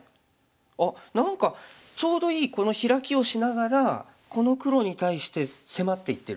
あっ何かちょうどいいこのヒラキをしながらこの黒に対して迫っていってる。